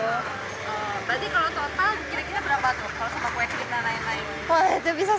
berarti kalau total kira kira berapa tuh kalau sama kue krip dan lain lain